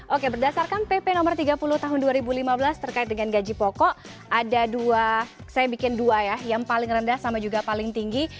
oke berdasarkan pp no tiga puluh tahun dua ribu lima belas terkait dengan gaji pokok ada dua saya bikin dua ya yang paling rendah sama juga paling tinggi